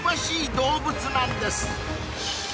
動物なんです